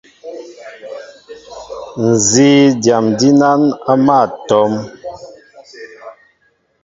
Nzí dyam dínán á mál a tóm,